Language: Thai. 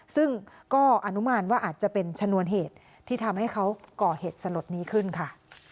ซึ่งก็อนุมานว่าอาจจะเป็นชนวนเหตุที่ทำให้เขาก่อเหตุสลดนี้ขึ้นค่ะ